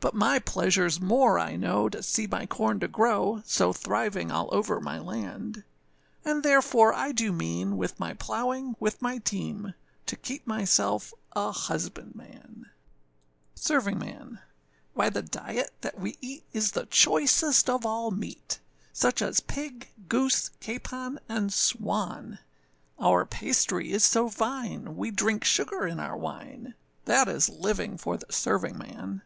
But my pleasureâs more I know, to see my corn to grow, So thriving all over my land; And, therefore, I do mean, with my plowing with my team, To keep myself a husbandman. SERVINGMAN. Why the diet that we eat is the choicest of all meat, Such as pig, goose, capon, and swan; Our pastry is so fine, we drink sugar in our wine, That is living for the servingman.